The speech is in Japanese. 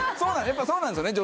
やっぱりそうなんですよね